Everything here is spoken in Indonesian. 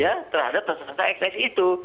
ya terhadap tersangka eksesi itu